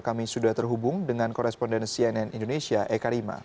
kami sudah terhubung dengan koresponden cnn indonesia eka rima